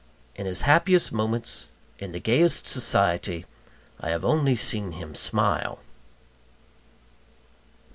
In his happiest moments, in the gayest society, I have only seen him smile.